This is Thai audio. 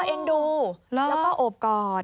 เอ็นดูแล้วก็โอบกอด